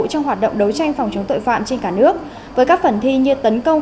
trong hoạt động đấu tranh phòng chống tội phạm trên cả nước với các phần thi như tấn công